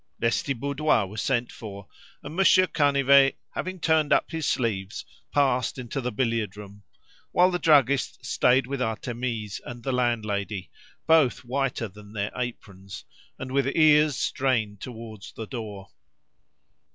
Lestiboudois was sent for, and Monsieur Canivet having turned up his sleeves, passed into the billiard room, while the druggist stayed with Artémise and the landlady, both whiter than their aprons, and with ears strained towards the door.